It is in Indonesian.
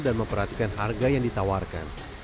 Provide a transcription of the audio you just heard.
dan memperhatikan harga yang ditawarkan